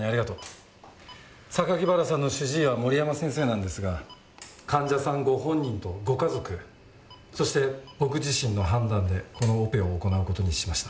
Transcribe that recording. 榊原さんの主治医は森山先生なんですが患者さんご本人とご家族そして僕自身の判断でこのオペを行う事にしました。